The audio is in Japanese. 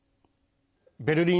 ベルリン